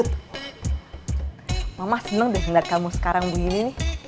tut mama seneng deh ngeliat kamu sekarang begini nih